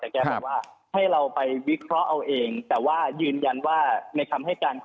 แกบอกว่าให้เราไปเอาเองแต่ว่ายืนยันว่าในคำให้การ